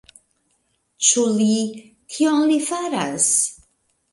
Ĉu li... kion li faras?